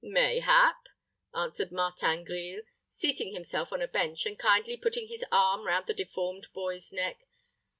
"Mayhap," answered Martin Grille, seating himself on a bench, and kindly putting his arm round the deformed boy's neck.